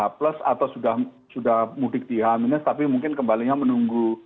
plus atau sudah mudik di h tapi mungkin kembalinya menunggu